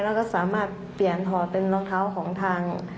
แล้วก็สามารถเปลี่ยนถอดเป็นรองเท้าของทาง